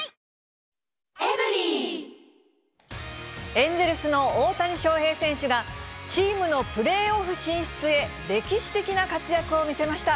エンゼルスの大谷翔平選手が、チームのプレーオフ進出へ、歴史的な活躍を見せました。